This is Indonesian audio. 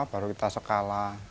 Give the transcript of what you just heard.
baru kita skala